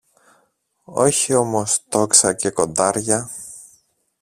όχι όμως τόξα και κοντάρια.